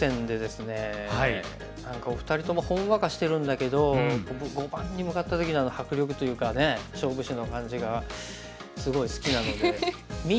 何かお二人ともほんわかしてるんだけど碁盤に向かった時のあの迫力というかね勝負師の感じがすごい好きなので見入ってしまいますよね。